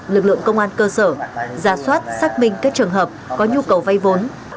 lực lượng công an cơ sở giả soát xác minh các trường hợp có nhu cầu vay vốn